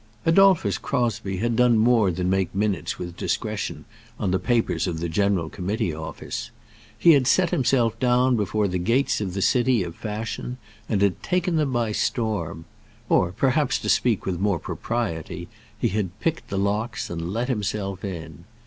Adolphus Crosbie had done more than make minutes with discretion on the papers of the General Committee Office. He had set himself down before the gates of the city of fashion, and had taken them by storm; or, perhaps, to speak with more propriety, he had picked the locks and let himself in.